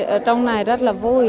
ở trong này rất là vui